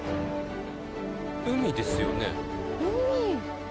海ですよね？